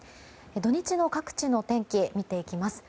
土日の各地の天気見ていきます。